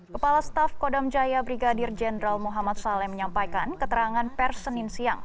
kepala staf kodam jaya brigadir jenderal muhammad saleh menyampaikan keterangan per senin siang